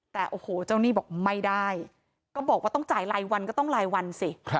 แต่โอ้โหเจ้าหนี้บอกไม่ได้ก็บอกว่าต้องจ่ายรายวันก็ต้องรายวันสิ